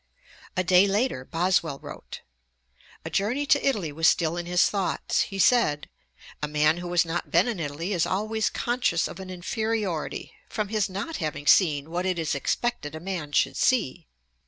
"' Ib. p. 28. A day later Boswell wrote: 'A journey to Italy was still in his thoughts. He said, "A man who has not been in Italy is always conscious of an inferiority, from his not having seen what it is expected a man should see.